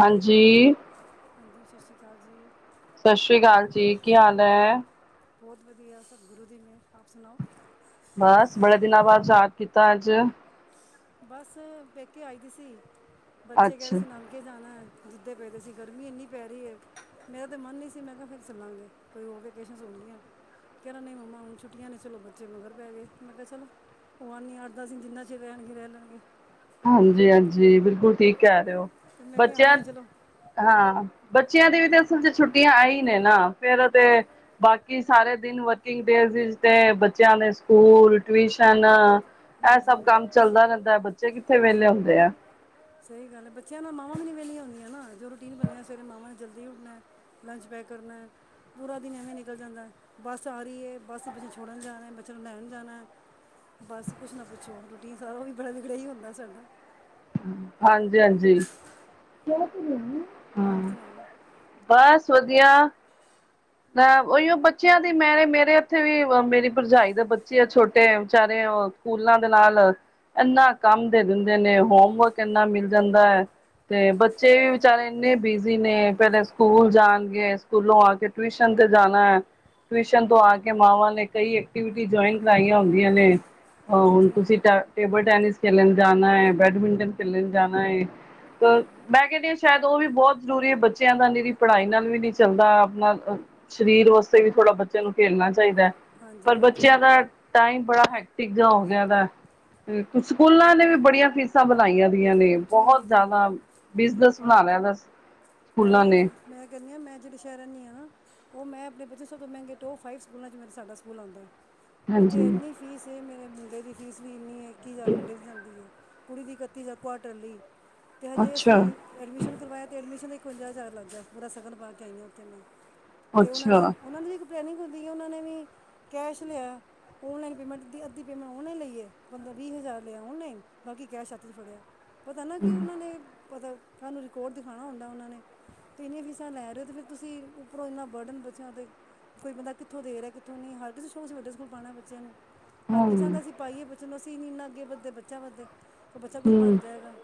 ਹਾਂਜੀ। ਹਾਂਜੀ ਸਸ ਸ਼੍ਰੀ ਕਾਲ ਜੀ। ਸਸ਼ ਸ਼੍ਰੀ ਕਾਲ ਜੀ, ਕੀ ਹਾਲ ਐ? ਬੋਤ ਵਦੀਆ ਸਭ ਗੁਰੂ ਦੀ ਮੇਰ, ਆਪ ਸੁਨਾਓ? ਬਸ, ਬੜੇ ਦਿਨਾਂ ਬਾਦ ਯਾਦ ਕੀਤਾ ਅੱਜ। ਬਸ ਪੇਕੇ ਆਈ ਦੀ ਸੀ, ਬੱਚੇ ਕੈ ਰੇ ਅੱਛਾ ਸੀ ਨਾਨਕੇ ਕੇ ਜਾਨਾ ਐ, ਜਿੱਦੇ ਪਏ ਦੇ ਸੀ ਗਰਮੀ ਏਨੀ ਪੈ ਰੀ ਏ, ਮੇਰਾ ਤੇ ਮਨ ਨਈ ਸੀ, ਮੈਂ ਕੇਹਾ ਫੇਰ ਚਲਾਂਗੇ। ਕੋਈ ਹੋਰ ਵਿਕੇਸ਼ਨਸ ਹੋਨ ਗਿਆਂ, ਕੈ ਰੇਆ ਨਈ ਮੰਮਾ ਹੁਨ ਛੁੱਟੀਆਂ ਨੇ ਚਲੋ, ਬੱਚੇ ਮਗਰ ਪੈ ਗਏ, ਮੈਂ ਕੇਆ ਚਲੋ। ਹੋ ਆਨੀ ਆ ਅਠ-ਦਸ ਦਿਨ ਜਿਨਾ ਚਿਰ ਰੈਨ ਗੇ ਰੈਲਨ ਗੇ। ਹਾਂਜੀ-ਹਾਂਜੀ, ਬਿਲਕੁਲ ਠੀਕ ਕੈ ਰੇ ਓ, ਤੇ ਮੈਂ ਕਿਹਾ ਆਈ ਬੱਚੇਆਂ ਹਾਂ ਚਲੋ ਹਾਂ, ਬੱਚੇਆਂ ਦੀ ਵੀ ਤੇ ਅਸਲ 'ਚ ਛੁੱਟੀਆਂ ਐਈ ਨੇ ਨਾ ਫੇਰ ਤੇ ਬਾਕੀ ਕੀ ਸਾਰੇ ਦਿਨ ਵਰਕਿੰਗ ਡੇਜ਼ ਇਚ ਤੇ ਬੱਚੇਆਂ ਦੇ ਸਕੂਲ ਟਿਊਸ਼ਨ ਐ ਸਭ ਹਾਂਜੀ ਕੰਮ ਚੱਲਦਾ ਰੈਂਦੈ, ਬੱਚੇ ਕਿੱਥੇ ਵੇਲੇ ਹੁੰਦੇ ਐ। ਸਈ ਗੱਲ ਐ। ਬੱਚੇਆਂ ਨਾਲ ਮਾਵਾਂ ਵੀ ਨੀ ਵੇਲੀਆਂ ਹੁੰਦੀਆਂ ਨਾ। ਜੋ ਰੂਟੀਨ ਬਨੇਆ ਸਵੇਰੇ ਮਾਵਾਂ ਨੇ ਜਲਦੀ ਉੱਠਨੈ। ਲੰਚ ਪੈਕ ਕਰਨੈ। ਪੂਰਾ ਦਿਨ ਐਵੇਂ ਨਿਕਲ ਜਾਂਦਾ। ਬੱਸ ਆ ਰੀ ਏ, ਬੱਸ ਵਿੱਚ ਬੱਚਾ ਛੋੜਨ ਜਾਨੈ। ਬੱਚਿਆਂ ਨੂੰ ਲੈਨ ਜਾਨਾ। ਬਸ ਕੁਸ਼ ਨਾ ਪੁੱਛੋ, ਰੂਟੀਨ ਸਾਰਾ ਓ ਈ ਬੜਾ ਵਿਗੜਿਆ ਈ ਹੁੰਦਾ ਸਾਡਾ। ਹਾਂਜੀ-ਹਾਂਜੀ। ਹੋਰ ਸੁਨਾਓ। ਬਸ ਵਦੀਆ। ਮੈਂ ਓਈਓ ਬੱਚੇਆਂ ਦੀ ਮੈਂ ਮੇਰੇ ਔਥੇ ਵੀ ਮੇਰੀ ਭਰਜਾਈ ਦੇ ਬੱਚੇ ਆ ਛੋਟੇ ਵਿਚਾਰੇ ਓ ਸਕੂਲਾਂ ਦੇ ਨਾਲ ਏਨਾ ਕੰਮ ਦੇ ਦਿੰਦੇ ਨੇ, ਹੋਮਵਰਕ ਏਨਾ ਮਿਲ ਜਾਂਦਾ ਐ। ਤੇ ਬੱਚੇ ਵਿਚਾਰੇ ਏਨੇ ਬਿਜ਼ੀ ਨੇ ਪੈਲੇ ਸਕੂਲ ਜਾਨਗੇ ਸਕੂਲੋਂ ਆ ਕੇ ਟਿਊਸ਼ਨ ਤੇ ਜਾਨਾ ਐ। ਟਿਊਸ਼ਨ ਤੋਂ ਆ ਕੇ ਮਾਵਾਂ ਨੇ ਕਈ ਐਕਟੀਵਿਟੀ ਜੁਆਇਨ ਕਰਾਈਆਂ ਹੁੰਦੀਆਂ ਨੇ। ਆ ਹੁਨ ਜੀ ਤੁਸੀ ਟੇਬਲ ਟੈਨਿਸ ਖੇਲਨ ਜਾਨਾ ਐ, ਬੈਡਮਿੰਟਨ ਖੇਲਨ ਜਾਨਾ ਏ। ਕ ਮੈਂ ਕੇਨੀ ਆ ਸੈ਼ਦ ਓ ਵੀ ਬੋਤ ਜ਼ਰੂਰੀ ਐ, ਬੱਚਿਆਂ ਦਾ ਨਿਰੀ ਪੜਾਈ ਨਾਲ ਵੀ ਨੀ ਚਲਦਾ ਅਪਨਾ ਅ ਸਰੀਰ ਵਾਸਤੇ ਵੀ ਥੋੜਾ ਬਚੇਆਂ ਨੂੰ ਖੇਲਨਾ ਚਾਈਦੈ ਹਾਂਜੀ ਪਰ ਹਾਂਜੀ ਬੱਚੇਆਂ ਦਾ ਟਾਈਮ ਬੜਾ ਹੈਕਟਿਕ ਜਿਆ ਹੋ ਗਿਆ ਦੈ, ਸਕੂਲਾਂ ਨੇ ਵੀ ਬੜੀਆਂ ਫੀਸ ਫੀਸਾਂ ਵਦਾਇਆਂ ਦੀਆਂ ਨੇ ਜੀ ਬੋਹਤ ਜੀ ਜਾਦਾ ਬਿਜਨਸ ਬਨਾ ਲਿਆਂ ਦਾ। ਸਕੂਲਾਂ ਅਰੇ ਨੇ ਮੈਂ ਕੈਨੀ ਆ ਮੈਂ ਜੇੜੇ ਸੈ਼ਰ ਰੈਨੀ ਆ ਨਾ ਓ ਮੈਂ, ਅਪਨੇ ਬਚੇ ਸਬ ਤੋਂ ਮੈਂਗੇ ਟੋਪ ਫਾਈਵ ਸਕੂਲਾਂ 'ਚ ਸਾਡਾ ਸਕੂਲ ਆਂਦਾ ਐ। ਓਥੇ ਹਾਂਜੀ ਏਨੀ ਫੀਸ ਏ, ਮੇਰੇ ਮੁੰਡੇ ਦੀ ਫੀਸ ਵੀ ਇੰਨੀ ਏ, ਇੱਕੀ ਹਜਾਰ ਮੁੰਡੇ ਦੀ ਜਾਂਦੀ ਏ। ਕੁੜੀ ਦੀ ਇਕੱਤੀ ਹਜਾਰ ਕੁਆਟਰਲੀ ਤੇ ਹਜੇ ਅਸੀਂ ਅੱਛਾ ਐਡਮਿਸ਼ਨ ਕਰਵਾਇਆ ਤੇ ਐਡਮਿਸ਼ਨ ਇੱਕ ਇਕਵੰਜਾ ਹਜ਼ਾਰ ਲੱਗ ਗਿਆ, ਪੂਰਾ ਸਗਨ ਪਾ ਕੇ ਆਈ ਆਂ ਓਥੇ ਮੈਂ ਤੇ ਓਹਨਾਂ ਨੇ, ਅੱਛਾ ਓਨਾਂ ਦੀ ਵੀ ਟ੍ਰੇਨਿੰਗ ਹੁੰਦੀ ਏ, ਓਨਾਂ ਨੇ ਵੀ ਕੈਸ਼ ਲੇਆ। ਔਨਲਾਈਨ ਪੇਮੈਂਟ ਦਿਤੀ, ਅੱਧੀ ਪੇਮੈਂਟ ਔਨਲਾਈਨ ਲਈਏ, ਪੰਦਰ ਵੀਹ ਹਜ਼ਾਰ ਲਿਆ ਔਨਲਾਈਨ, ਬਾਕੀ ਕੈਸ਼ ਹੱਥ 'ਚ ਫੜਿਆ। ਪਤਾ ਨਾ ਕਿ ਹਮ ਓਨਾਂ ਨੇ, ਪਤਾ ਕੱਲ ਨੂੰ ਰਿਕਾਰਡ ਦਿਖਾਣਾ ਹੁੰਦਾ ਓਨਾਂ ਨੇ। ਤੇ ਏਨੀਆਂ ਫੀਸਾਂ ਲੈ ਰੇ ਓ, ਤੇ ਫੇਰ ਤੁਸੀਂ ਉੱਪਰੋਂ ਏਨਾ ਬਰਡਨ ਬਚਿਆ ਤੇ। ਕੋਈ ਬੰਦਾ ਕਿੱਥੋਂ ਦੇ ਰਿਆ, ਕਿੱਥੋਂ ਨਈ, ਹਰ ਕਿਸੇ ਨੂੰ ਸ਼ੋਕ ਅਸੀ ਵੱਡੇ ਸਕੂਲ ਪਾਣਾ ਬੱਚਿਆਂ ਨੂੰ। ਹਰ ਕੋਈ ਚਾਂਦਾ ਹਮ ਅਸੀਂ ਪਾਈਏ ਬੱਚੇ ਨੂੰ, ਅਸੀਂ ਨੀ ਏਨਾ ਅੱਗੇ ਵੱਧੇ ਬੱਚਾ ਵਧੇ, ਤੇ ਬੱਚਾ ਕੁੱਛ ਹਮ ਬਣ ਜਾਏਗਾ।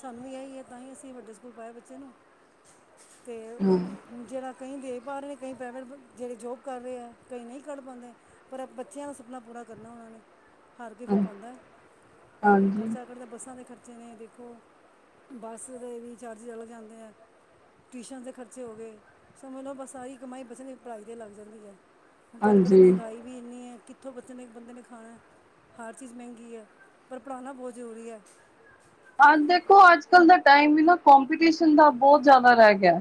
ਸਾਨੂੰ ਵੀ ਏਹੀ ਐ ਤਾਈਂ ਅਸੀਂ ਵੱਡੇ ਸਕੂਲ ਪਾਇਆ ਬੱਚੇ ਨੂੰ। ਤੇ ਹੂਣ ਜੇੜਾ ਕਈ ਦੇ ਪਾ ਰੇ ਨੇ, ਕਈ ਪੇਰੇਂਟਸ ਜੇੜੇ ਜੋਬ ਕਰ ਰੇ ਆ, ਕਈ ਨਈ ਕੱਢ ਪਾਂਦੇ। ਪਰ ਅਬ ਬੱਚਿਆਂ ਦਾ ਸਪਨਾ ਪੂਰਾ ਕਰਨਾ ਓਨਾਂ ਨੇ। ਹਰ ਕਿਸੇ ਹਮ ਕੋ ਹੋਂਦਾ ਅ ਹਾਂਜੀ ਖਰਚਾ ਕੱਢਨਾ, ਬੱਸਾਂ ਦੇ ਖਰਚੇ ਨੇ। ਦੇਖੋ, ਬੱਸ ਦੇ ਵੀ ਚਾਰਜ ਅਲੱਗ ਜਾਂਦੇ ਆ। ਟਿਊਸ਼ਨ ਦੇ ਖਰਚੇ ਹੋ ਗੇ, ਸਮਝ ਲੋ ਬਸ ਸਾਰੀ ਕਮਾਈ ਬੱਚਿਆਂ ਦੀ ਪੜ੍ਹਾਈ 'ਤੇ ਲੱਗ ਜਾਂਦੀ ਐ। ਹੁਣ ਤੁਆਨੂੰ ਪਤਾ ਹਾਂਜੀ ਮੈਗਾਈ ਵੀ ਏਨੀ ਐ, ਕਿੱਥੋਂ ਬੱਚੇ ਨੇ ਇਕ ਬੰਦੇ ਨੇ ਖਾਣਾ। ਹਰ ਚੀਜ਼ ਮੈਗੀ ਏ, ਪਰ ਪੜ੍ਹਾਣਾ ਬੋਤ ਜ਼ਰੂਰੀ ਐ। ਆ ਦੇਖੋ, ਅੱਜ ਕੱਲ ਦਾ ਟਾਈਮ ਵੀ ਨਾ ਕੰਪਟੀਸ਼ਨ ਦਾ ਬੋਤ ਜ਼ਾਦਾ ਰੈ ਗਿਆ।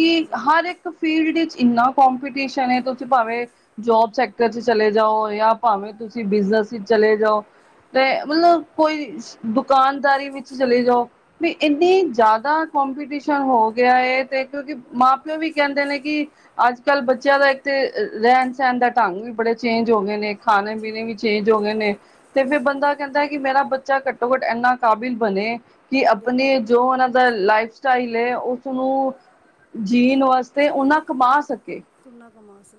ਜੀ ਜੀ ਹਰ ਇੱਕ ਫੀਲਡ ਵਿੱਚ ਏਨਾ ਕੰਪਟੀਸ਼ਨ ਏ, ਤੁਸੀਂ ਭਾਵੇਂ ਜੋਬ ਸੈਕਟਰ 'ਚ ਚਲੇ ਜਾਓ। ਯਾ ਭਾਵੇਂ ਤੁਸੀਂ ਬਿਜਨਸ 'ਚ ਚਲੇ ਜਾਓ, ਤੇ ਹਾਂਜੀ ਮਲਬ ਕੋਈ ਦੁਕਾਨ ਦਾਰੀ ਵਿੱਚ ਚਲੇ ਜਾਓ। ਵੀ ਏਨੀ ਜ਼ਾਦਾ ਕੋਂਪੀਟੀਸ਼ਨ ਹੋ ਗਿਆ ਐ, ਤੇ ਕਿਉਂਕਿ ਮਾਂ ਪਿਓ ਵੀ ਕੈਂਦੇ ਨੇ ਕੀ ਅੱਜ ਕੱਲ੍ਹ ਬੱਚਿਆਂ ਦਾ ਇੱਕ ਤੇ ਰੈਣ ਸੈਣ ਦਾ ਢੰਗ ਵੀ ਬੜੇ ਚੇਂਜ ਹੋ ਗੇ ਨੇ। ਖਾਣੇ ਪੀਣੇ ਜੀ ਵੀ ਚੇਂਜ ਹੋ ਗੇ ਨੇ, ਤੇ ਫੇਰ ਬੰਦਾ ਕੈਂਦਾ ਕੀ ਮੇਰਾ ਬੱਚਾ ਘੱਟੋ ਘੱਟ ਏਨਾ ਕਾਬਿਲ ਬਣੇ ਕੀ ਆਪਣੇ ਬਿਲਕੁਲ ਜੋ ਓਨਾਂ ਦਾ ਲਾਈਫ ਸਟਾਈਲ ਏ, ਉਸਨੂੰ ਜੀਣ ਵਾਸਤੇ ਓਨਾਂ ਕਮਾ ਸਕੇ। ਕਿੰਨਾ ਕਮਾ ਸੀ।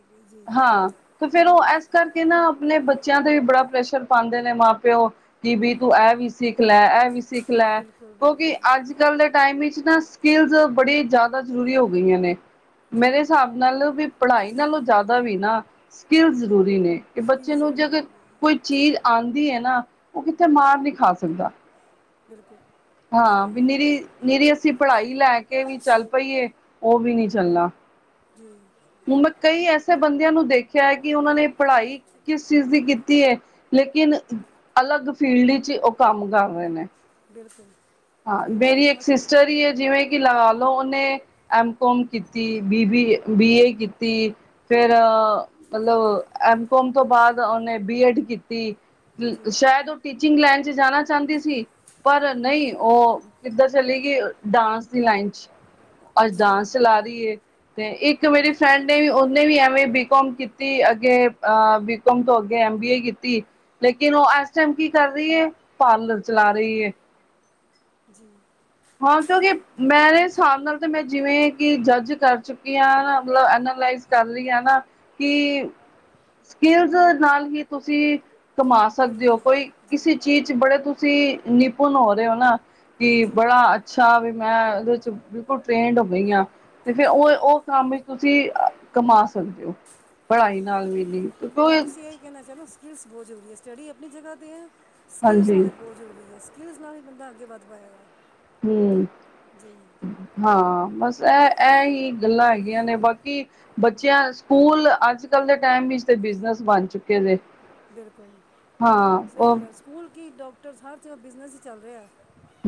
ਹਾਂ, ਤੇ ਫੇਰ ਓ ਏਸ ਕਰਕੇ ਨਾ ਆਪਣੇ ਬੱਚਿਆਂ ਤੇ ਵੀ ਬੜਾ ਪ੍ਰੈਸ਼ਰ ਪਾਂਦੇ ਨੇ ਮਾਂ ਪਿਓ। ਕੀ ਵੀ ਤੂੰ ਐ ਵੀ ਸਿੱਖ ਲੈ, ਐ ਵੀ ਸਿੱਖ ਲੈ, ਬਿਲਕੁਲ ਕਿਉਂਕਿ ਬਿਲਕੁਲ ਅੱਜ ਕੱਲ੍ਹ ਦੇ ਟਾਈਮ ਵਿੱਚ ਨਾ, ਸਕਿੱਲਸ ਬੜੀ ਜ਼ਾਦਾ ਜ਼ਰੂਰੀ ਹੋ ਗਈਆਂ ਨੇ। ਜੀ ਮੇਰੇ ਸਾਬ ਨਾਲ ਵੀ ਪੜ੍ਹਾਈ ਨਾਲੋਂ ਜ਼ਾਦਾ ਵੀ ਨਾ ਸਕਿੰਲਸ ਜ਼ਰੂਰੀ ਨੇ, ਏ ਸਕਿੱਲ ਬੱਚੇ ਨੂੰ ਜੇ ਅਗਰ ਜ਼ਰੂਰੀ ਨੇ ਕੋਈ ਚੀਜ਼ ਆਂਦੀ ਏ ਨਾ, ਓ ਕਿੱਥੇ ਮਾਰ ਨੀ ਖਾ ਸਕਦਾ। ਬਿਲਕੁਲ ਸਹੀ ਹਾਂ, ਵੀ ਕਹਿ ਰਹੇ ਨਿਰੀ ਹੋ। ਨਿਰੀ ਅਸੀਂ ਪੜ੍ਹਾਈ ਲੈ ਕੇ ਵੀ ਚੱਲ ਪਈਏ, ਓ ਵੀ ਨੀ ਚੱਲਣਾ। ਜੀ ਹੁਣ ਮੈਂ ਕਈ ਐਸੇ ਬੰਦਿਆਂ ਨੂੰ ਦੇਖਿਆ ਐ ਕੀ, ਓਨਾਂ ਨੇ ਪੜ੍ਹਾਈ ਕਿਸ ਚੀਜ਼ ਦੀ ਕੀਤੀ। ਤੀ ਏ, ਲੇਕਿਨ ਅਲੱਗ ਫੀਲਡ ਵਿੱਚ ਓ ਕੰਮ ਕਰ ਰਏ ਨੇ। ਬਿਲਕੁਲ। ਹਾਂ, ਸਹੀ ਕਹਿ ਮੇਰੀ ਰਹੇ ਹੋ। ਇੱਕ ਸਿਸਟਰ ਅੱਜ ਈ ਏ ਜਿਵੇਂ ਕੀ ਲਗਾ ਲੋ ਓਨੇ ਐਮ ਕੌਮ ਕੀਤੀ, ਬੀਬੀ ਬੀ ਏ, ਬੀ ਏ ਕੀਤੀ ਫੇਰ ਮਲਬ ਐਮ ਕੌਮ ਤੋਂ ਬਾਦ, ਓਨੇ ਬੀ ਐਡ ਕੀਤੀ। ਜੀ ਸ਼ੈਦ ਓ ਟੀਚਿੰਗ ਲਾਈਨ 'ਚ ਜਾਣਾ ਚਾਂਦੀ ਸੀ, ਪਰ ਨਈ। ਓ ਕਿਧਰ ਚਲੀ ਗੀ, ਡਾਂਸ ਦੀ ਲਾਈਨ 'ਚ। ਅੱਜ ਅੱਛਾ ਡਾਂਸ ਚਲਾ ਰੀ ਏ। ਤੇ ਇੱਕ ਮੇਰੀ ਫਰੈਂਡ ਨੇ ਵੀ ਓਨੇ ਵੀ ਐਵੇ ਬੀ ਕੌਮ ਕੀਤੀ ਅੱਗੇ ਅ ਬੀ ਕੋਮ ਤੋਂ ਅੱਗੇ ਐਮ ਬੀ ਏ ਕੀਤੀ, ਲੇਕਿਨ ਓ ਐਸ ਟੈਮ ਕੀ ਕਰ ਰੀ ਏ, ਪਾਰਲਰ ਚਲਾ ਰਈ ਏ। ਜੀ। ਹਾਂ, ਕਿਉਂਕਿ ਮੇਰੇ ਸਾਬ ਨਾਲ ਤਾਂ ਮੈਂ ਜਿਵੇਂ ਕੀ ਜੱਜ ਕਰ ਚੁੱਕੀ ਆਂ, ਮਤਲਬ ਐਨਾਲਾਇਜ਼ ਕਰ ਰੀ ਆ ਨਾ, ਕੀ ਸਕਿਲਸ ਨਾਲ ਹੀ ਤੁਸੀਂ ਕਮਾ ਸਕਦੇ ਓ ਬਿਲਕੁਲ ਕੋਈ ਜੀ ਕਿਸੇ ਚੀਜ਼ 'ਚ ਬੜੇ ਤੁਸੀਂ ਨਿਪੁੰਨ ਹੋ ਰੇ ਓ ਨਾ ਕੀ ਜੀ ਬੜਾ ਅੱਛਾ ਵੀ, ਮੈਂ ਓਦੇ 'ਚ ਬਿਲਕੁਲ ਟ੍ਰੇਨਡ ਹੋ ਗਈ ਆਂ। ਤੇ ਫੇਰ ਉਹ- ਉਹ ਕੰਮ ਵਿੱਚ ਤੁਸੀਂ ਕਮਾ ਸਕਦੇ ਹੋ। ਪੜ੍ਹਾਈ ਨਾਲ ਵੀ ਨੀਂ ਔਈ ਮੈ ਕਿਹਾ ਨਾਂ ਸਕਿਲਲ ਬਹੁਤ ਜ਼ਰੂਰੀ ਹੈ। ਸਟੱਡੀ ਆਪਣੀ ਜਗਾ ਤੇ ਐ, ਸਕਿਲਸ ਹਾਂਜੀ ਹੋਣੇ ਬਹੁਤ ਜ਼ਰੂਰੀ ਹੈ। ਸਕਿਲਜ਼ ਨਾਲ ਹੀ ਬੰਦਾ ਅੱਗੇ ਵੱਧ ਪਏਗਾ। ਹੁੰ ਹਾਂ ਬਸ ਇਹ- ਇਹ ਹੀ ਗੱਲਾਂ ਹੈਗੀਆਂ ਨੇ ਬਾਕੀ ਬੱਚਿਆਂ ਸਕੂਲ ਅੱਜ-ਕੱਲ ਦੇ, ਟਾਈਮ ਵਿੱਚ ਬਿਜਨਸ ਬਣ ਚੁੱਕੇ ਕਿਣੇ ਬਿਲਕੁਲ ਹਾਂ ਸਹੀ ਉਹ ਗੱਲ ਸਕੂਲ ਕੀ ਡੋਕਟਰਸ, ਹਰ ਜਗ੍ਹਾ ਬਿਜ਼ਨਸ ਹੀ ਚੱਲ ਰਿਹਾ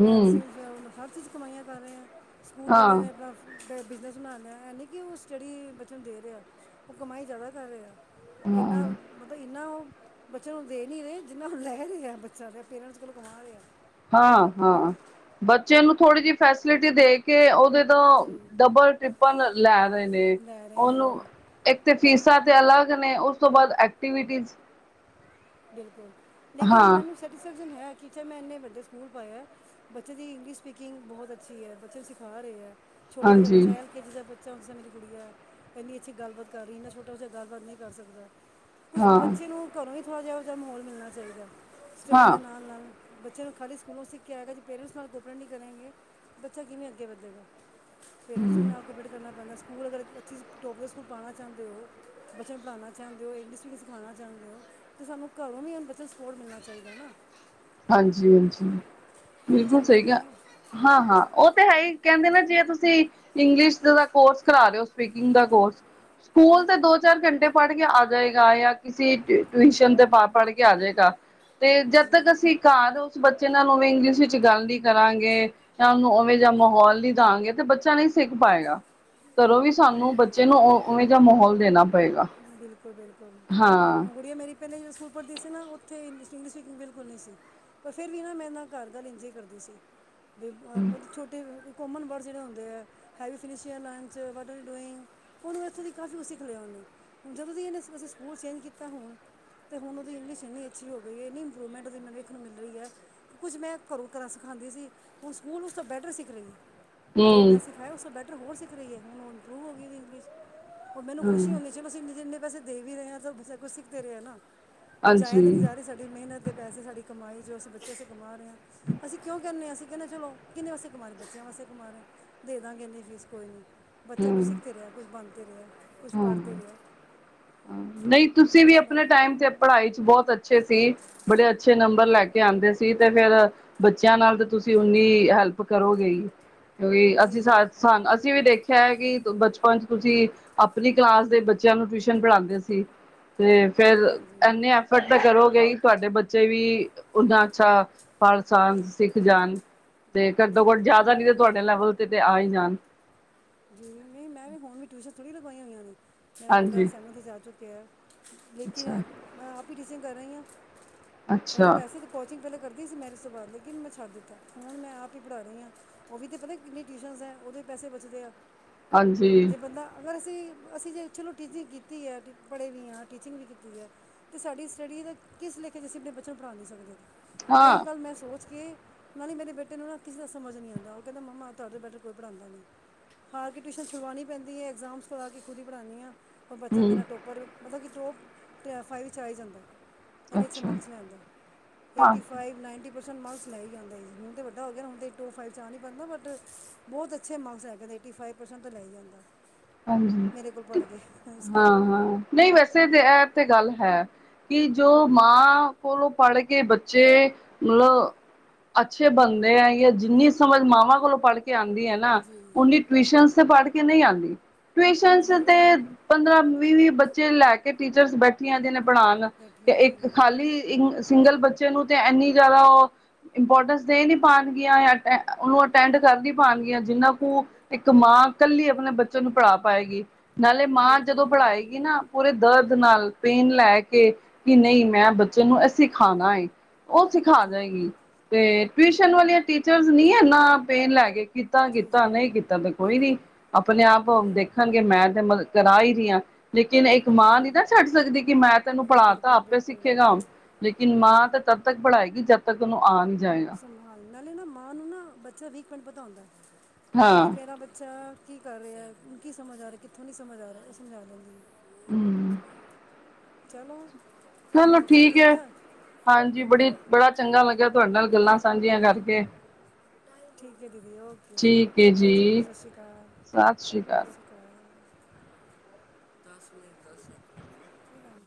ਹਮ ਹਰ ਚੀਜ਼ ਚ ਕਮਾਈਆਂ ਕਰ ਰਹੇ, ਸਕੂਲ ਵਾਲਿਆਂ ਹਾਂ ਨੇ ਆਪਣਾ ਬ ਬਿਜ਼ਨਸ ਬਣਾ ਲਆ, ਐ ਨਹੀਂ ਕਿ ਉਹ ਸਟਡੀ ਬੱਚਿਆਂ ਨੂੰ ਦੇ ਰਿਹਾ ਉਹ ਕਮਾਈ ਜ਼ਿਆਦਾ ਕਰ ਰਿਹਾ। ਇੰਨਾ ਹਾਂ ਮਤਲਬ, ਇੰਨਾ ਉਹ ਬੱਚਿਆਂ ਨੂੰ ਦੇ ਨੀ ਰਹੇ ਜਿੰਨਾ ਲੈਹੇ ਆ, ਬੱਚਾ ਦੇ ਪੇਰੈਂਟਸ ਕੋਲ ਕਮਾ ਰੇ ਆ। ਹਾਂ -ਹਾਂ, ਬੱਚੇ ਨੂੰ ਥੋੜ੍ਹੀ ਜਿਹੀ ਫੈਸਿਲਿਟੀ ਦੇ ਕੇ ਉਹਦੇ ਤੋ ਜੀ ਡਬਲ ਟਿੱਪਣ ਲੈ ਰਹੇ ਨੇ ਲੈ ਰਹੇ ਨੇ ਉਹਨੂੰ ਉਹ ਇੱਕ ਤੇ ਫੀਸਾਂ ਤੇ ਅਲੱਗ ਨੇ ਉਸ ਤੋਂ ਬਾਅਦ ਐਕਟੀਵਿਟੀਜ ਬਿਲਕੁਲ ਲੇਕਿਨ ਹਾਂ ਮੈਨੂੰ ਸੈਟਿਸਫੈਕਸ਼ਨ ਹੈ ਕਿ ਚੇ ਮੈਂ ਇੰਨੇ ਵੱਡੇ ਸਕੂਲ ਪਾਏਐ। ਬੱਚੇ ਦੀ ਇੰਗਲਿਸ਼ ਸਪੀਕਿੰਗ ਬਹੁਤ ਅੱਛੀ ਹੈ। ਬੱਚੇ ਨੂੰ ਸਿਖਾ ਰਹੇ ਹੈ ਛੋਟਾ ਜਿਹਾ ਹਾਂਜੀ ਬੱਚਾ ਹੈ ਕਿ ਜਿੱਦਾਂ ਬੱਚਾ ਹੁੰਦਾ ਮੇਰੀ ਕੁੜੀ ਐ, ਇੰਨੀ ਅੱਛੀ ਗੱਲਬਾਤ ਕਰ ਰਹੀ ਇੰਨਾ ਛੋਟਾ ਬੱਚਾ ਗੱਲਬਾਤ ਨਹੀਂ ਕਰ ਸਕਦਾ। ਕੁਛ ਹਾਂ ਬੱਚੇ ਨੂੰ ਘਰੋਂ ਹੀ ਥੋੜ੍ਹਾ ਏਹੋ ਜਿਹਾ ਮਾਹੌਲ ਮਿਲਣਾ ਚਾਹੀਦਾ ਸਟੱਡੀ ਹਾਂ ਦੇ ਨਾਲ-ਨਾਲ। ਬੱਚਿਆਂ ਨੂੰ ਖਾਲੀ ਸਕੂਲਾਂ ਸਿੱਖ ਕੇ ਆਏਗਾ ਜੀ ਪੇਰੈਂਟਸ ਨਾਲ ਕੋਪਰੇਟ ਨਹੀਂ ਕਰੇਗੇ ਬੱਚਾ ਕਿਵੇਂ ਅੱਗੇ ਵਧੇਗਾ। ਪੇਰੈਂਟਸ ਨੂੰ ਹਮ ਵੀ ਨਾਲ ਕੋਪਰੇਟ ਕਰਨਾ ਪੈਂਣਾ। ਸਕੂਲ ਅਗਰ ਤੁਸੀਂ ਟੋਪ ਦੇ ਸਕੂਲ ਪਾਉ ਚਾਹੁੰਦੇ ਹੋ, ਬੱਚਿਆਂ ਨੂੰ ਪੜ੍ਹਉਣਾ ਚਾਹੁੰਦੇ ਹੋ ਇੰਗਲਿਸ਼ ਵੀਡੀਗ [unintelligible] ਸਿਖਾਉਣਾ ਚਾਹੁੰਦੇ ਹੋ। ਅਤੇ ਸਾਨੂੰ ਘਰੋਂ ਵੀ ਬੱਚਿਆਂ ਨੂੰ ਸਪੋਰਟ ਮਿਲਣਾ ਚਾਹੀਦਾ ਹੈ ਨਾ। ਹਾਂਜੀ- ਹਾਂਜੀ, ਇਹ ਵੀ ਬਿਲਕੁਲ ਜ਼ਰੂਰੀ ਸਹੀ ਹੈ ਹਾਂ ਨਾ -ਹਾਂ, ਉਹ ਤੇ ਹੈ ਹੀ ਕਹਿੰਦੇ ਨੇ ਜਿਵੇ ਤੁਸੀਂ ਇੰਗਲਿਸ਼ ਦਾ ਕੋਰਸ ਕਰਾ ਰਹੇ ਹੋ ਸਪੀਕਿੰਗ ਦਾ ਕੋਰਸ ਸਕੂਲ ਤੇ ਦੋ-ਚਾਰ, ਘੰਟੇ ਪੜ੍ਹ ਕੇ ਆ ਜਾਏਗਾ ਜਾਂ ਕਿਸੇ ਟਿਊਸ਼ਨ ਤੇ ਪੜ੍ਹ ਕੇ ਆ ਜਾਏਗਾ। ਤੇ ਜਦ ਤੱਕ ਅਸੀਂ ਘਰ ਉਸ ਬੱਚੇ ਨਾਲ ਨੂੰ ਵੀ ਇੰਗਲਿਸ਼ ਵਿੱਚ ਗੱਲ ਨੀ ਕਰਾਂਗੇ ਤਾ ੳਨੂ ਉਵੇਂ ਜਾਂ ਮਾਹੌਲ ਨੀ ਦਾਂਗੇ ਤੇ ਬੱਚਾ ਨਹੀਂ ਸਿੱਖ ਪਾਏਗਾ। ਘਰੋਂ ਵੀ ਸਾਨੂੰ ਬੱਚੇ ਨੂੰ ੳਵੇਂ ਜਹਾ ਮਾਹੌਲ ਦੇਣਾ ਪਏਗਾ। ਬਿਲਕੁਲ -ਬਿਲਕੁਲ, ਹਾਂ ਹੁਣ ਗੜੀਆਂ ਮੇਰੀ ਪਹਿਲੇ ਜਦੋਂ ਸਕੂਲ ਪੜ੍ਹਦੀ ਸੀ ਨਾ, ਉੱਥ ਇੰਗਿਲਸ ਸਪੀਗ ਬਿਲਕੁਲ ਨਹੀਂ ਸੀ। ਪਰ ਫੇਰ ਵੀ ਨਾ ਮੈਂ ਨਾ ਘਰ ਗਾਲ ੲੰਜੇ ਹੀ ਕਰਦੀ ਸੀ। ਮਤਲਬ ਛੋਟੇ ਕੋਮਨ ਵਰਡ ਜਿਹੜੇ ਹੁਦੇ ਹੈ। ਵੀ [unintelligible] ਫਿਨਸ਼ਿੰਗ, ਲਾਈਨ ਚ ਵਟ ਆਰ ਯੂ ਡੂਇੰਗ? ਹਨੂੰ ਐਕਚੁਲੀ ਕਾਫ਼ੀ ਕੁਛ ਸਿੱਖ ਲਿਆ ਉਹਨੇ ਹੁਣ ਜਦੋਂ ਦੀ ਇਹਨੇ ਅਸੀਂ ਸਕੂਲ ਚੇਂਜ ਕੀਤਾ ਹੁਣ ਤੇ ਹੁਣ ਉਹਦੀ ਏਨੀ ਸੋਹਨੀ ਅੱਛੀ ਹੋ ਗਈ, ਇਨੀ ਇੰਪਰੂਵਮੈਂਟਦੀ ਮਨੂੰ ਦੇਖਣ ਮਿਲ ਰਹੀ ਹੈ। ਕੁਝ ਮੈਂ ਘਰੋਂ- ਘਰਾਂ ਸਿਖਾਉਦੀ ਸੀ ਹੁਣ ਸਕੂਲ ਉਸ ਤਾਂ ਬੈਟਰ ਸਿੱਖ ਰਹੀ। ਜੋ ਮੈਂ ਹਮ ਸਿਖਾਇਆ ਉਸ ਤੋਂ ਬੈਟਰ ਹੋਰ ਸਿੱਖ ਰਹੀ ਹੈ, ਹੁਣ ਉਹ ਇੰਪਰੂਵ ਹੋ ਗਈ ਇੰਗਲਿਸ ਉਹ ਮੈਨੂੰ ਖੁਸ਼ੀ ਹਮ ਹੁੰਦੀ ਚਲੋ ਅਸੀਂ ਨੇ ਜਿੰਨੇ ਪੈਸੇ ਦੇ ਵੀ ਰਹੇ ਹਾਂ ਤਾਂ, ਉਹ ਬੱਚਾ ਕੁਛ ਸਿੱਖਦੇ ਰਹੇ ਨਾ। ਜਾਇਆ ਹਾਂਜੀ ਤਾਂ ਨਹੀਂ ਜਾ ਰਹੇ ਸਾਡੇ ਮਿਹਨਤ ਦੇ ਪੈਸੇ ਸਾਡੀ ਕਮਾਈ, ਜੋ ਸੀ ਬੱਚੇ ਕਮਾ ਰਹੇ ਹਾਂ। ਅਸੀਂ ਕਿਉਂ ਕਹਿੰਣੇ ਆ ਅਸੀਂ ਕਹਿਣੇਆ ਚਲੋ, ਕਿੰਨੇ ਵਾਸੇ ਕਮਾ ਰਹੇ ਬੱਚਾ ਵਾਸੇ ਕਮਾਹੇ ਦੇ ਦਾਂਗੇ ਏਣੀ ਫੀਸ ਕੋਈ ਨਹੀਂ ਬੱਚਾ ਕੁਛ ਹਮ ਸਿੱਖਦੇ ਰਿਹਾ, ਕੁਛ ਬਣ ਤੇ ਰਿਹਾ, ਕੁਛ ਪੜ੍ਹ ਹਾਂ ਤੇ ਰਿਹਾ। ਨਹੀਂ ਤੁਸੀਂ ਵੀ ਚਲੋ ਆਪਣੇ ਟਾਈਮ ਤੇ ਪੜ੍ਹਾਈ ਚ ਬਹੁਤ ਅੱਛੇ ਸੀ। ਬੜੇ ਅੱਛੇ ਨੰਬਰ ਲੈ ਕੇ ਆਦੇ ਸੀ ਤੇ ਫੇਰ ਬੱਚਿਆਂ ਨਾਲ ਤਾਂ ਤੁਸੀਂ ਓਨੀ, ਹੈਲਪ ਕਰੋਗੇ ਈ ਓਈ ਜੀ ਅਸੀਂ ਸ ਜੀ ਸਾਨ ਅਸੀਂ ਵੀ ਦੇਖੀ ਦੇਖਿਆ ਕੀ ਬਚਪਨ ਚ ਤੁਸੀਂ ਆਪਣੀ ਕਲਾਸ ਦੇ ਬੱਚਿਆਂ ਨੂੰ ਟਿਊਸ਼ਨ ਪੜ੍ਹਾਦੇ ਸੀ। ਤੇ ਫੇਰ ਹਾਂਜੀ ਹਾਂਜੀ ਇਨੇ ਐਫਰਟ ਤਾਂ ਕਰੋਗੇ ਤੁਹਾਡੇ ਬੱਚੇ ਵੀ ਓਨਾ ਅੱਛਾ। ਪੜ ਜਾਣ ਸਿੱਖ ਜਾਣ ਤੇ ਘੱਟੋ ਘੱਟ ਜਿਆਦਾ ਨੀ ਤੇ ਤੁਹਾਡੇ ਲੈਵਲ ਤੇ ਤਾ ਆ ਹੀ ਜਾਣ। ਜੀ ਨਈ ਮੈ ਵੀ ਹੁਣ ਵੀ ਟਿਊਸ਼ਨ ਥੋੜ੍ਹੀ ਲਗਵਾਈ ਹੋਈਆਂ ਨੇ। ਮੇਰਾ ਬੇਟਾ ਹਾਂਜੀ ਸੈਵਨਥ ਵਿੱਚ ਆ ਚੁੱਕਿਆ ਹੈ ਅੱਛਾ ਲੇਕਿਨ ਮੈ ਆ ਆਪ ਹੀ ਟੀਚਿੰਗ ਕਰ ਰਹੀ ਹਾਂ। ਪਤਾ ਅੱਛਾ ਵੈਸੇ ਕੋਚਿੰਗ ਪਹਿਲੇ ਕਰ ਦੀ ਸੀ ਮੈਰਿਜ ਤੋਂ ਬਾਅਦ ਲੇਕਿਨ ਮੈਂ ਛੱਡ ਦਿੱਤਾ ਹੁਣ ਮੈਂ ਆਪ ਹੀ ਪੜਾ ਰਿਹ ਆ। ਉਹ ਵੀ ਤਾਂ ਪਤਾ ਕਿੰਨੇ ਟਿਊਸ਼ਨਸ ਐ, ਉਹਦੇ ਪੈਸੇ ਬਚਦੇ ਆ। ਹਾਂਜੀ ਜੇ ਬੰਦਾ ਅਗਰ ਅਸੀ-ਅਸੀ ਜੇ ਚਲੋ ਟੀਚਿੰਗ ਕੀਤੀ ਐ, ਪੜ੍ਹੇ ਵੀ ਹਾਂ ਟੀਚਿੰਗ ਵੀ ਕੀਤੀ ਐ ਤੇ ਸਾਡੀ ਸਟੱਡੀ ਦਾ ਕਿਸ ਲੇਖੇ ਅਸੀ ਆਪਣੇ ਬੱਚਿਆਂ ਨੂੰ ਪੜ੍ਹਾ ਨਹੀ ਸਕਦੇ ਅਤੇ ਹਾਂ ਇਸੀ ਗੱਲ ਮੈ ਸੋਚ ਕੇ ਨਾਲੇ ਮੇਰੇ ਬੇਟੇ ਨੂੰ ਨਾ ਕਿਸੇ ਦਾ ਸਮਝ ਨਹੀ ਆਉਦਾ ਉਹ ਕਹਿਦਾ ਮੰਮਾ ਤੁਹਾਡੇ ਤੋ ਬੈਟਰ ਕੋਈ ਪੜਾਦਾ ਨਈ। ਹਾਰ ਕੇ ਟਿਊਸ਼ਨ ਛੁਡਵਾਉਣੀ ਪੈਦੀ ਐ ਐਗਜ਼ਾਮਸ ਵਿਚ ਖੁਦ ਹੀ ਪੜ੍ਹਾਂ ਦੀ ਹਾ ਔਰ ਬੱਚਾ ਹਮ ਮੇਰਾ ਟੋਪਰ ਮਤਲਬ ਕੀ ਟੋਪ ਫਾਈ ਵਿੱਚ ਆ ਈ ਜਾਦਾ। ਨਾਲੇ ਅੱਛੇ ਅੱਛਾ ਮਾਸਕ ਵੀ ਲੈਦਾ ਹਾਂ eighty five ninety percent mark ਲੈ ਹੀ ਆਦਾ ਏ, ਹੁਣ ਤਾਂ ਵੱਡਾ ਹੋ ਗਿਆ ਨਾ ਹੁਣ ਟੋਪ ਫਾਈਵ ਚ ਆ ਨਈ ਪਾਦਾ ਬਟ ਬਹੁਤ ਅੱਛੇ ਮਾਕਸ। ਹੈਗੇ ਨੇ ਏਟੀ ਫਾਈਵ ਪਰਸੈਟ ਤੋ ਲੈ ਆਦਾ। ਹਾਂਜੀ ਮੇਰੇ ਕੋਲ ਪੜ੍ਹ ਕੇ ਸਕੂਲ ਨਈ ਵੈਸੇ ਵੀ ਐਹ ਤੇ ਗੱਲ ਹੈ। ਕੀ ਜੋ ਮਾਂ ਕੋਲੋ ਪੜ੍ਹ ਕੇ ਬੱਚੇ ਮਤਲਬ ਅੱਛੇ ਬੰਦੇ ਐ ਜਾਂ ਜਿਨੀ ਸਮਝ ਮਾਵਾ ਕੋਲੋ ਪੜ੍ਹ ਕੇ ਆਉਦੀ ਐ ਨਾ ਜੀ ਓਨੀ ਟਿਊਸ਼ਨ ਤੇ ਪੜ੍ਹ ਕੇ ਨਈ ਆਦੀ ਟਿਊਸ਼ਨ ਜੀ ਤੇ ਉਹ ਪੰਦਰਾਂ ਵੀਹ- ਵੀਹ ਬੱਚੇ ਲੈ ਕੇ ਟੀਚਰਸ ਬੈਠੇ ਕੀ ਆਂਇਦੇ ਪੜ੍ਹਾਉਣ ਤੇ ਬੈਠੀਆਂ ਵੀ ਇਕ ਖਾਲੀ ਇਨ ਸਿੰਗਲ ਬੱਚੇ ਨੂੰ ਤੇ ਇਨੀ ਜਿਆਦਾ ਉਹ ਇੰਪੋਰਟੈਂਸ ਦੇ ਨੀ ਪਾਣਗੀਆਂ ਐ ਟ ਉਹ ਅਟੈਡ ਕਰ ਨੀ ਪਾਉਣਗੀਆਂ ਜਿਨਾ ਕੁ ਇਕ ਮਾਂ ਕਲੀ ਆਪਣੇ ਬੱਚੇ ਨੂੰ ਪੜ੍ਹਾ ਪਾਏਗੀ ਨਾਲੇ ਮਾਂ ਬਿਲਕੁਲ ਜਦੋ ਬਿਲਕੁਲ ਪੜ੍ਹਾਏਗੀ ਨਾ ਪੂਰੇ ਦਰਦ ਨਾਲ ਪੇਨ ਲੈ ਕੇ ਕਿ ਨਈ ਮੈ ਬੱਚੇ ਨੂੰ ਇਹ ਸਿਖਾਣਾ ਏ। ਉਹ ਸਿਖਾ ਜੀ ਦੇਗੀ ਤੇ ਟਿਊਸ਼ਨ ਵਾਲੀਆਂ ਟੀਚਰ ਨੀ ਇਨਾ ਪੇਨ ਲੈ ਕੇ ਕੀਤਾ- ਜੀ ਕੀਤਾ ਜੀ ਨਈ ਕੀਤਾ ਤੇ ਕੋਈ ਨੀ ਕਿਦਾਂ ਆਪਣੇ ਆਪ ਹੁਣ ਦੇਖ ਖਣਗੇ ਮੈ ਤੇ ਮਤਲਬ ਕਰਾ ਹੀ ਰਹੀ ਹਾਂ ਲੇਕਿਨ ਇਕ ਮਾਂ ਜੀ ਨੀ ਨਾ ਛੱਡ ਸਕਦੀ ਕਿ ਮੈ ਤੈਨੂੰ ਪੜਤਾ ਬਿਲਕੁਲ ਆਪੇ ਬਿਲਕੁਲ ਸਿਖੇਗਾ। ਲੇਕਿਨ ਮਾਂ ਤਾਂ ਤੱਦ ਤੱਕ ਪੜਏਗੀ ਜਦ ਤੱਕ ਉਹਨੂੰ ਆਨੀ ਜਾਏ। ਹਨ ਨਾਲੇ ਨਾ ਮਾਂ ਨੂੰ ਨਾ ਬੱਚਾ ਵੀਕ ਪੁਆਇੰਟ ਪਤਾ ਹੋਦਾ ਕਿ ਹਾਂ ਮੇਰਾ ਬੱਚਾ ਕੀ ਕਰ ਰਿਹਾ ਕੀ ਸਮਝ ਆ ਰਿਹਾ ਕਿਥੋ ਨੀ ਸਮਝ ਆ ਰਿਹਾ ਇਹ ਸਮਝਾ ਦਿੰਦੀ। ਹੋਰ ਹਮ ਚਲੋ। ਚਲੋ ਹੋਰ ਸਭ ਠੀਕ ਐ ਠਾਕ ਹਾਂਜੀ ਬੜੀ ਬੜਾ ਚੰਗਾ ਲਗਿਆ ਤੁਹਾਡੇ ਨਾਲ ਗੱਲਾਂ ਸਾਂਝੀਆਂ ਕਰਕੇ। ਠੀਕ ਐ ਦੀਦੀ ਓਕੇ ਜੀ ਠੀਕ ਹੈ ਚੰਗਾ ਜੀ ਸਸ ਸ਼੍ਰੀ ਕਾਲ ਸਤਿ ਸ੍ਰੀ ਅਕਾਲ ਸਸ ਸ਼੍ਰੀ ਦਸ ਮਿੰਟ ਦਸ ਮਿੰਟ ਸੈਕੰਡ ਕੋਈ ਗੱਲ ਨੀ।